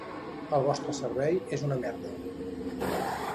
El vostre servei és una merda.